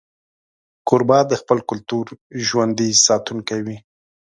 کوربه د خپل کلتور ژوندي ساتونکی وي.